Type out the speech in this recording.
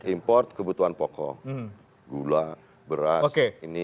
import kebutuhan pokok gula beras ini